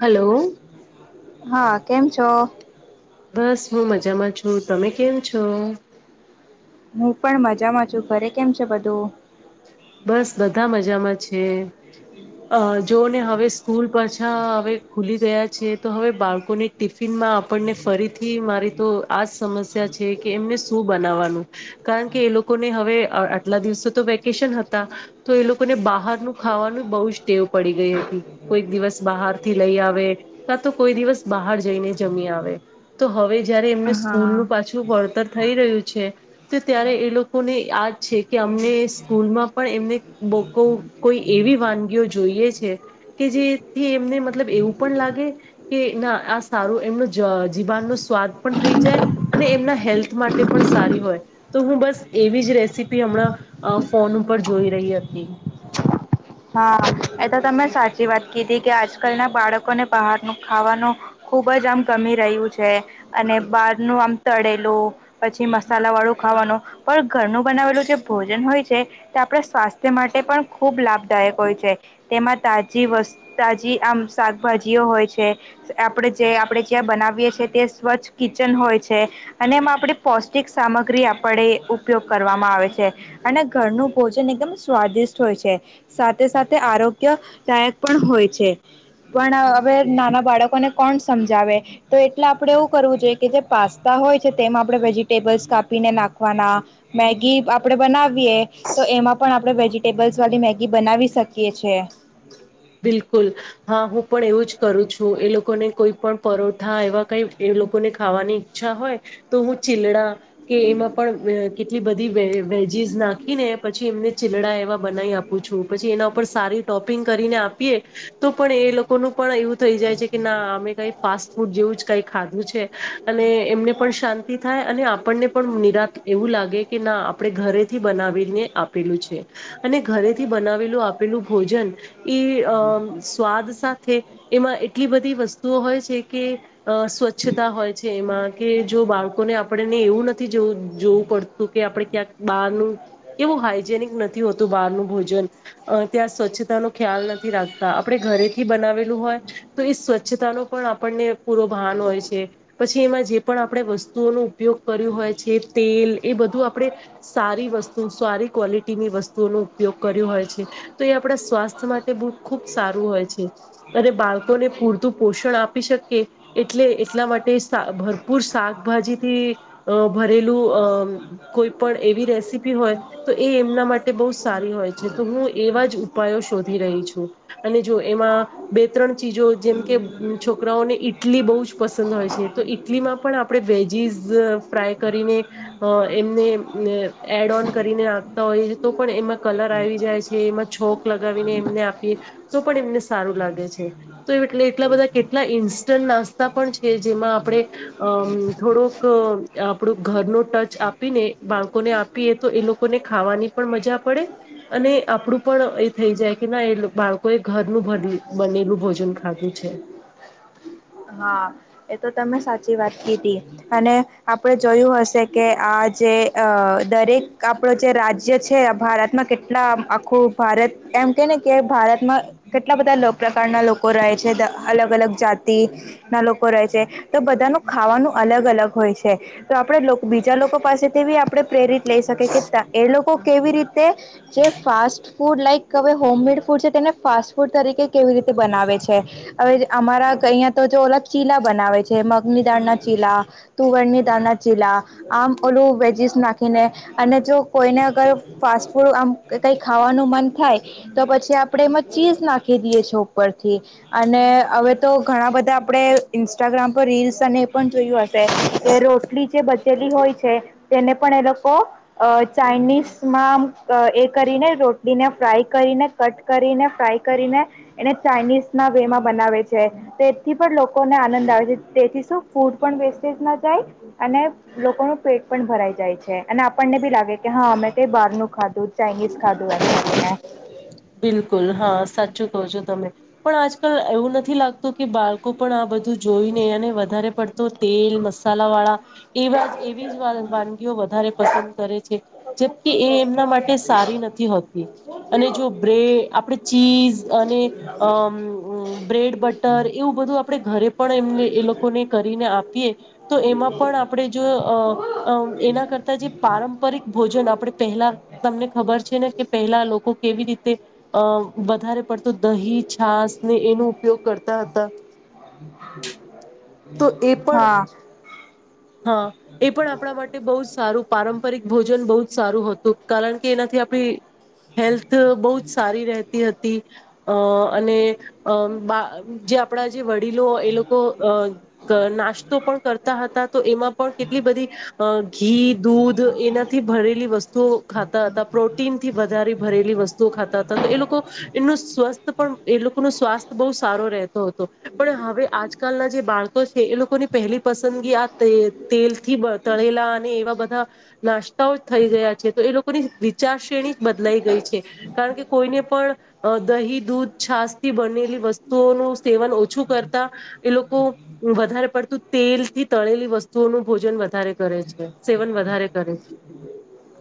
Hello હા કેમ છો? બસ હું મજામાં છું તમે કેમ છો? હું પણ મજામાં છું ઘરે કેમ છે બધું? બસ બધા મજામાં છે. અ જોને હવે સ્કૂલ પાછા હવે ખુલી ગયા છે તો હવે બાળકોને ટિફિન મા આપણને ફરીથી મારી તો આજ સમસ્યા છે કે એમને શું બનાવાનું કારણ કે કે એ લોકોને હવે આટલા દિવસે તો [unintelligible] હતા તો એ લોકોને બહારનું ખાવાનું બ જ ટેવ પડી ગઈ હતી કોઈક દિવસ બ બાર થી લઈ આવે ક તો કોઈ દિવસ બહાર જઈને જમી આવે તો હવે જયારે એમને સ્કૂલ હા નું પાછું પડતર થઈ રહ્યું છે તો ત્યારે એ લોકોને યાદ છે કે અમને સ્કૂલમાં પણ એમને બકો કોઈ એવી વાનગીઓ જોઈએ છે કે જેથી એ મતલબ એવું પણ લાગે કે ના આ સારું એમનો જીવાણ ન સ્વાથ પણ થઈ જાય. અને એમના હેલ્થ માટે પણ સારી હોય તો હું બસ એવી જ રેસીપી હમણાં ફોન ઉપર જોઈ રહી હતી. હા એ તો તમે સાચી વાત કીધી કે આજકાલ ના બાળકો લોકોને બહારનું ખાવાનું ખૂબ જ આમ ગમી રહ્યું છે અને બહારનું આમ તળેલું પછી મસાલા વાળું ખાવાનું પણ ઘરનું બનાવેલું જે ભોજન હોય છે તે આપણે સ્વાસ્થ્ય માટે પણ ખૂબ લાભ હોય છે તેમાં તા તાજી આમ શાકભાજીઓ હોય છે આપણે આપણે જ્યાં બનાવીએ છી તે સ્વચ્છ કિચન હોય છે અને એમાં આપે પૌષ્ટિક સામગ્રી પડે ઉપયોગ કરવામાં આવે છે અને ઘરનું ભોજન એકદમ સ્વાદિષ્ટ હોય છે. સાથે સાથે આરોગ્યદાયક પણ હોય છે. પણ હવે નાના બાળકોને કોણ સમજાવે તો એટલે આપડે એવું કરવું જોઈએ કે જે પાસ્તા ય તે આપ વેજીટેબલ્ કાપીને નાખવાના મેગી આપણે બનાવીએ તો તેમાં પણ આપણે વેજીિટેબલ્સ વાળી મેગી બનાવી શકીએ છ છે. બિલકુલ હા હું પણ એવું જ કરું છું એ લોકોને કોઈ પણ પરોઠા એવા કઈ એ લોકોને ખાવાની ઈચ્છા હોય તો હું ચીલડા કે એમાં પણ એટલી બધી વ વેજીસ નાખીને પછી એમને ચીલડા એવા બનાવી આપું છું પછી એના ઉપર સારી ટોપિંગ કરીને આપીએ તો પણ એ લોકોનું પણ એવું થઈ જાય છે કે ના અમે કઈ ફાસ્ટ ફૂડ જેવું જ કઈ ખાધું છે અને એમને પણ શાંતિ થાય અને આપણને પણ નિરા એવું લાગે કે ના આપણે ઘરેથી બનાવીને આપેલું છે અને ઘરે થી બનાવેલું આપેલું ભોજન અમ સ્વાદ સાથે એમાં એટલી બધી વસ્તુઓ હોય છે કે અ સ્વચ્છતા હોય છે એમાં કે જો બાળકોને આપણેને એવું નથી જો જોવું પડતું કે આપડે ક્યાંક બહારનું એવું હાઈજેનિક નથી હોતું બહારનું ભોજન અ ત્યાં સ્વચ્છતા ન ખ્યાલ નથી. રાખતા આપણે ઘરેથી બનાવેલું હોય તો એ સ્વચ્છતા ન પણ આપણને પૂરો ભાન હોય છે. પછી એમાં જે પણ આપે વસ્તુઓ ન ઉપયોગ કર્યું હોય છે તેલ એ બધું આપણેે સારી વસ્તુ સારી ક્વોલિટીની વસ્તુઓનો ઉપયોગ કર્યો હોય છે તો એ આપણા સ્વાસ્થ્ય માટે બ ખુબ સારું હોય છે અને બાળકોને પૂરતું પોષણ આપી શકે એટલે એટલા માટે ભરપૂર શાકભાજીથી ભરેલું અ કોઈ પણ રેસીપી હોય તો એ એમના માટે બહ સારી હોય છે તો હું એવા જ ઉપાયો શોધ રહી અને જો એમાં બે ત્રણ ચીજો જેમ કે છોકરાઓને ઈટલી બ પસંદ હોય છે તો ઈટલીમાં પણ આપણે વેજીસ ફ્રાય કરીને એમને એડ ઓન કરીને આખતા હોય એ તો પણ એમાં કલર આવી જાય છે એમાં છોક લ વને એ આપીએ તો પણ એમને સારું લાગે છે, તો એટલા બધા કેટલા ઇન્સ્ટ તા પણ છે, જેમાં આપણે થોડોક આપણું ઘરનો ટચ આપીને બાળકોને આપીએ તો, એ લોકોને ખાવાની પણ મજા પડે અને આપણું પણ થઈ જાય કે ના એ બાળકો એ ઘરનું બનેલું ભોજન ખાધું છે. [inaudible] હા એ તો તમે સાચી વાત કીધી અને આપણે જોયું હશે કે આજ જે દરેક આપણો જે રાજ્ય છે, ભારતમાં કેટલા આખું ભારત એમ કે ને કે ભારતમાં કેટલા બધા પ્રકારના લોકો રહે છે, અલગ અલગ જાત તી ના લોકો રહે છે, તો બધાનું ખાવાનું અલગ અલગ હોય છે, તો આપડે બીજા લોકો પાસેથી આપડે પ્રેરિત લઈ શકી કે એ લોકો કેવી રીતે જે fast food like home made food છે તેને ફાસ્ટ ફૂડ તરીકે કેવી રીતે બનાવે છે, હવે અમારા અહીં તો જે ઓલગ ચીલા બનાવે છે, મગની દાળના ચીલા, તુવરની દાળના ચીલા, આમ લું વેજીસ નાખીને અને જો કોઈને અગર ફાસ્ટ ફૂડ આમ કંઈ ખાવાનું મન થાય તો પછી આપણે એમાં ચીઝ નાખી દઈ છે ઉપરથી અને હવે તો ઘણા બધા આપણે ઇન્સ્ટાગ્રામ પર રીલ્સ અને એ પણ જોયું હશે કે રોટલી- જે બચેલી હોય છે, તેને પણ એ લોકો ચાાઈનીઝમાં એ કરી રોટલીને ફ્રાય કરીને, કટ કરીને, ફ્રાય કરીને એને ચાઇનીઝના વે માં બનાવી છે, તે થી પણ લોકોને આનંદ આવે છે, તેથી શું ફૂડ પણ વેસ્ટેજ ન જાય અને લોકોનું પેટ પણ ભરાઈ જાય છે અને આપણને બી લાગે કે હા અમે કઈ બાર નું ખાધું ચાાઈનીઝ ખાધું એ બિલકુલ હા સાચું કહો છો તમે પણ આજકાલ એવું નથી લાગતું કે, બાળકો પણ આ બધું જોઈને અનેને વધારે પડતો તેલ મસાલા વાળા એવા એવી જ વાનગીઓ વધારે પસંદ કરે જે કે એ એમના માટે સારી નથી હોતી અને જો આપણે ચીઝ અને અ બ્રેડ બટર એવું બધું આપણે ઘરે પણ એમ એ લોકોને કરીને આપીએ તો એમાં પણ આપણે જો એના કરતા જે પારંપરિક ભોજન આપણે પહેલા તમને ખબર છે ને કે પહેલા લોકો કેવી તે વધારે પડ દહી છાસ ને એનો ઉપયોગ કરતા હતા. તો એ પણ હા હા, એ પણ આપણા માટે બહુ જ સારું પારંપરિક ભોજન બહુ જ સારું હતું, કારણ કે એનાથી આપડી [inaudible] સારી રહેતી હતી અને જે આપણા જે ડીલો એ લોકો અ નાસ્તો પણ કરતા હતા. તો એમાં પણ કેટલી બધી અ ઘી, દૂધ એનાથી ભરેલી વસ્તુઓ ખાતા હતા. પ્રોટીન થી વધારે ભરેલી વસ્તુઓ ખાતા હતા, તો એ લોકો એમનું સ્વસ્થ પણ એ લોકોનું સ્વાસ્થ બવ સારો રહેતો હતો, પણ હવે આજકાલના જે બાળકો છે, એ લોકોની પહેલી પસંદગી આ તે તેલ થી તળેલા અને એવા બધા નાસ્તાઓ થઈ ગયા છે તો એ લોકોની ચાર શ્રેણી જ બદલાઈ ગઈ છે, કારણ કે કોઈને પણ દહી દૂધ છાસ થી બનેલી વસ્તુઓનું સેવન ઓછું કરતા, એ લોકો વધારે પડતું તેલથી તળલી વસ્તુઓનું ભોજન વધારે કરે છે, સેવન વધારે કરે છે.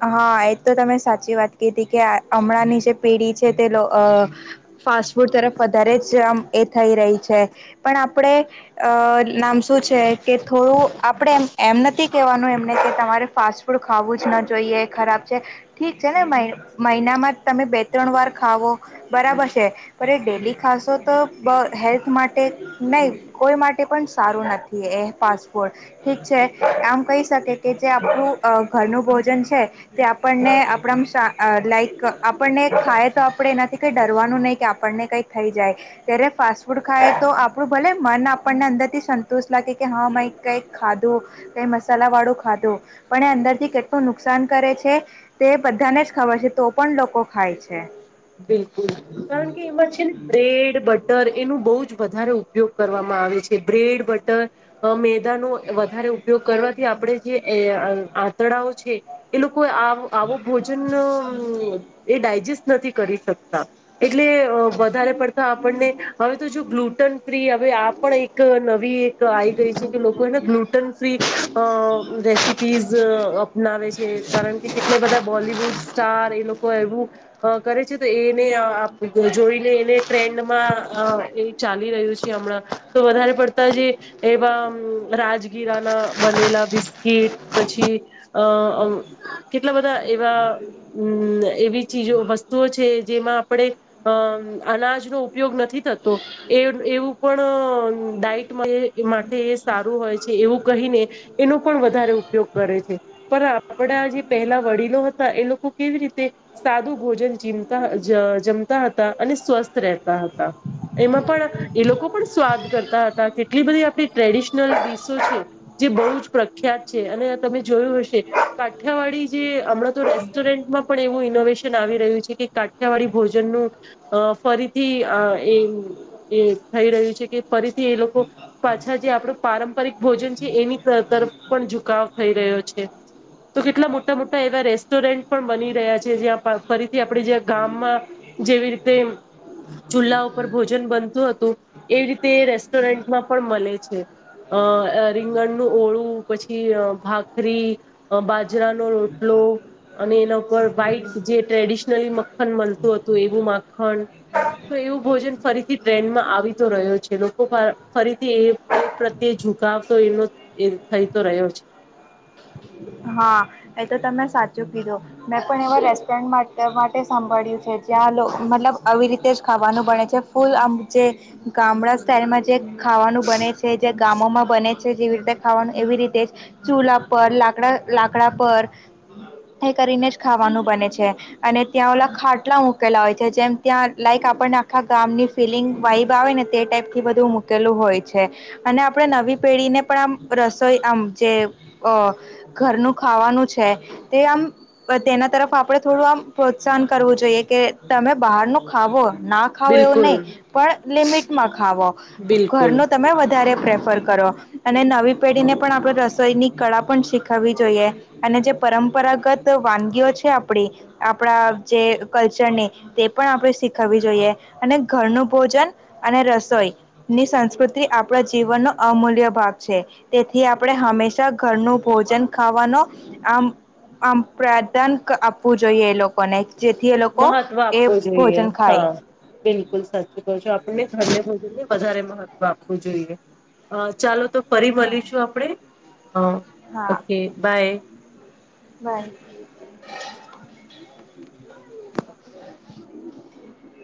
હા. એજ તો તમે સાચી વાત કિધી કે હમણાં ની જે પેઢી છે, ફાસ્ટ ફૂડ તરફ વધારે જ એ થઈ રહી છે પણ- આપ નામ શું છે કે, થોડું આપણે એમ નથી કેવાનું એમને કે તમારે ફાસ્ટ ફૂડ ખાવું જ નવા જોઈએ ખરાબ છે, ઠીક છે ને ભાઈ મહિનામાં તમે બે ત્રણ વાર ખાવો બરાબર છે, પણ ડેલી ખાસો તો હેલ્થ માટે નહી કોઈ માટે પણ સારું નથી એ ફફોડ ઠીક છે આમ કહી શકે કે જે આપણું ઘરનું ભોજન છે તે આપણને આપણા લાઈક આપણને ખાય તો આપણે એનાથી કંઈ ડરવાનું નહીં કે આપણને કંઈક થઈ જાય ત્યારે ફાસ્ટ ફૂડ ખાય તો આપણું ભલે મન આપણને અંદરથી સંતોષ્ટ લાગે કે હા મેં કંઈક ખાધું કઈ મસાલા વાળો ખાધો પણ એ અંદરથી કે નુકસાન કરે છે તે બધાને જ ખબર છે તો પણ લોકો ખાય છે બિલકુલ કારણ કે એમાં છે ને બ્રેડ બટર એનું બહુ જ વધારે ઉપયોગ કરવામાં આવે છે બ્રેડ બટર અમે બ ન વધારે ઉપયોગ કરવાથી આપણે જે આંતડાઓ છે એ કોઈ આવો ભોજન એ ડાયજેસ્ટ નથી કરી શકતો એટલે વધારે પડતા આપણને હવે તો જો ગ્લુટન ફ્રી હવે આ પણ એક નવી એક આ આવી ગઈ છે કે લોકો એને ગ્લુટન ફ્રી અ રેસીપીઝ અપનાવે છે કારણ કે કેટલા બધા બોલીડ વુડ સ્ટાર એ લોકો એવું અ કરે છે, તો એને અ જોઈને એને ટ્રેન્ડમાં અ એ ચાલી રહ્યું છે. હમણાં તો વધારે પડતા જે એવા રાજગીરા ના બનેલા બિસ્કીિટ પછી અ કેટલા બધા એવા અ એવી ચીજો વ સતુ છે, જેમાં આપણે અ અનાજનો ઉપયોગ નથી થતો એ એવું પણ અ ડાઈટ માટે માટે સારું હોય છે, એવું કહીને એનો પણ વધારે ઉપયોગ કરે છે, પર આપડા જે પહેલા વડીલો હતા એ લોકો કેવી રીતે સાદું ભોજન ચીમતા જ જમતા હતા અને સ્વસ્થ રહેતા હતા. એમાં પણ એ લોકો પણ સ્વાદ કરતા હતા કેટલી બધી આપણી ટ્રેડિશનલ ડીસો છે. જે બહુ જ પ્રખ્યાત છે, અને તમે જોયું હશે કાઠિયાવાડી જે હમણાં તો રેસ્ટોરન્ટમાં પણ એવું ઇનોવેશન આવી રહ્યું છે. કે કાઠિયાવાડી ભોજનનું અ ફરીથી અ એ એ થઈ રહ્યું છે, કે ફરીથી એ લોકો પાછા જે આપણું પારંપરિક ભોજન છે, એની તરફ પણ ઝુકાવ થઈ રહ્યો છે, તો કેટલા મોટા મોટા એવા રેસ્ટોરન્ટ પણ બની રહ્યા છે, જ્યાં ફરીથી આપડી જે ગામમાં જેવી રીતે ચુલા ઉપર ભોજન બનતું હતું એવી રીતે રેસ્ટોરન્ટમાં પણ મલે છે. અ રીંગણનું ઓળું પછી ભાખરી અ બાજરાનો રોટલો એના ઉપર વાઈટ જે ટ્રેડિશ નલ મખન મલતું હતું એવું માખણ તો એવું ભોજન ફરીથી ટ્રેન્ડમાં આવીતો રહ્યો છે, લોકો ફરીથી એ પ્રત્યે ઝુકાવ તો એનો એ થઈતો રહ્યો છે. હા એ તો તમે સાચું કીધું મેં પણ એવા રેસ્ટોરન્ટ માટે માટે સાભળ્યું છે. ત્યાં લો મતલબ આવી રીતે જ ખાવાનું બણે છે, ફૂલ આમ જે ગામડા સ્ટઇલમાં જે ખાવાનું બને છે, જે ગામોમાં બને છે જેવી રીતે ખાવાનું એવી રીતે ચૂલા પર લાકડા લાકડા પર એ કરીને જ ખાવાનું બને છે, અને ત્યાં ઓલા ખાટલા મુકેલા હોય છે, જેમ ત્યાં લાઈક આપને આખા ગામની ફિલિંગ વાબ આવે ને તે ટાઈપ થી બધું મૂકેલું હોય છે, અને આપણે ન વી પેઢીને પણ આમ રસોઈ આમ જે અ ઘરનું ખાવાનું છે, તે આમ તેના તરફ આપણે થોડું આમ પ્રોત્સાહન કરવું જોઈએ કે તમે બહાર નુ ખાવો ના ખાવો એવું બિલકુલ નહી પણ લિમિટમાં ખાવો ઘર બિલકુલ નો તમે વધારે પ્રેફર કરો અને નવી પેઢી ને પણ આપણે રસોઈની કળા પણ શી ખવી જોઈએ અને જે પરંપરાગત વાનગીઓ છે, આપડી આપણા જે ક લચરની તે આપણે શીખવી જોઈએ અને ઘરનું ભોજન અને રસોઈ ની સંસ્કૃતિ આપણા જીવનનો અમૂલ્ય ભાગ છે, તેથી આપણે હંમેશા ઘરનું ભોજન ખાવાનો આમ આમ પ્રાધાન આપવું જોઈએ એ લોકોને જેથી એ લોકો મહત્વ એ આપવું જોઈએ ભોજન હા ખાય બિલકુલ સાચું કહો છો આપણને ઘરને ભોજન ને વધારે મહત્વ આપ વુ જોઈએ ચાલો તો ફરી હા મલીશું આપણે અ હા ઓકે બાય બાય. [inaudible]